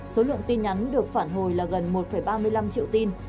số lượng tin nhắn được phản hồi là gần một ba mươi năm triệu tin